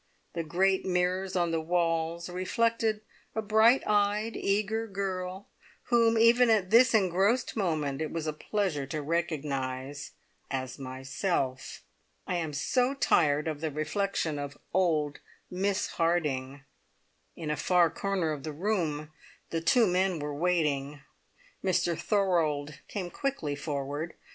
The great mirrors on the walls reflected a bright eyed, eager girl, whom even at this engrossed moment it was a pleasure to recognise as myself. I am so tired of the reflection of old Miss Harding! In a far corner of the room the two men were waiting. Mr Thorold came quickly forward.